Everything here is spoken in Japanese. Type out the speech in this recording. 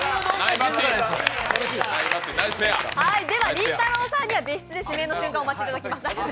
りんたろーさんには別室で指名の瞬間をお待ちいただきます。